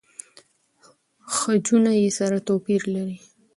خجونه يې سره توپیر لري.